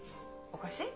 おかしい？